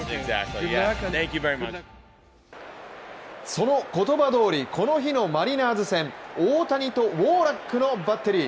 その言葉どおりこの日のマリナーズ戦大谷とウォーラックのバッテリー。